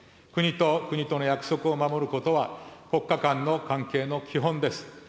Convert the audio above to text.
国と国との約束を守ることは、国家間の関係の基本です。